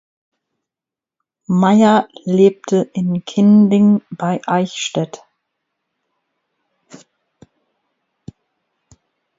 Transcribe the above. Mayr lebte in Kinding bei Eichstätt.